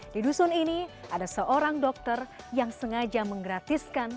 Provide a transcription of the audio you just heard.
di dusun ini ada seorang dokter yang sengaja menggratiskan